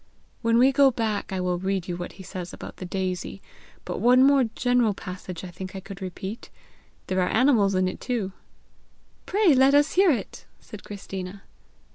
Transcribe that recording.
When we go back I will read you what he says about the daisy; but one more general passage I think I could repeat. There are animals in it too!" "Pray let us hear it," said Christina.